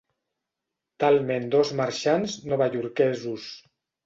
Talment dos marxants novaiorquesos.